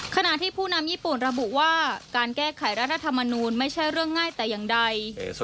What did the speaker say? ขณะที่ผู้นำญี่ปุ่นระบุว่าการแก้ไขรัฐธรรมนูลไม่ใช่เรื่องง่ายแต่อย่างใด